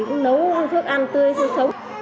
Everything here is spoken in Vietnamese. nấu ăn thức ăn tươi sâu sống